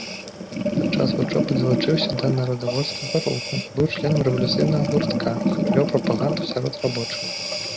Падчас вучобы далучыўся да нарадавольскага руху, быў членам рэвалюцыйнага гуртка, вёў прапаганду сярод рабочых.